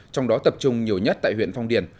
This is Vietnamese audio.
trong đó tập trung nhiều nhất tại huyện phong điền